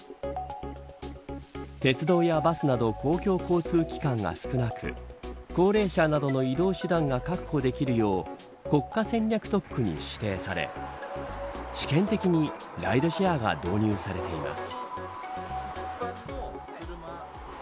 鉄道やバスなど公共交通機関が少なく高齢者などの移動手段が確保できるよう国家戦略特区に指定され試験的にライドシェアが導入されています。